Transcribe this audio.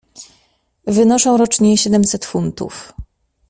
"Wynoszą rocznie siedemset funtów."